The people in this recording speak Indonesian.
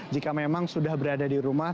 jika memang sudah berada di rumah